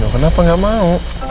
kenapa nggak mau